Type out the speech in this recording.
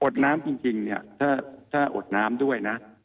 ดน้ำจริงเนี่ยถ้าอดน้ำด้วยนะ